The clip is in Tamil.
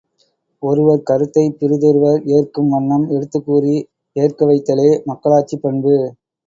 ஒருவர் கருத்தைப் பிறிதொருவர் ஏற்கும் வண்ணம் எடுத்துக்கூறி ஏற்கவைத்தலே மக்களாட்சிப் பண்பு.